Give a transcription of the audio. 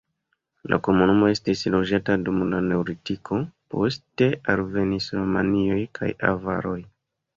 La komunumo estis loĝata dum la neolitiko, poste alvenis romianoj kaj avaroj.